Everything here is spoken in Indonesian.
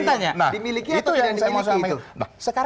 dimiliki atau tidak